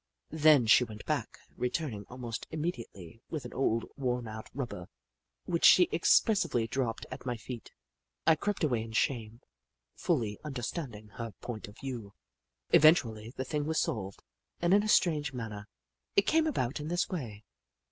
Then she went back, return ing almost immediately with an old, worn out rubber, which she expressively dropped at my feet. I crept away in shame, fully understand ing her point of view. Eventually, the thing was solved, and in a strange manner. It came about in this way.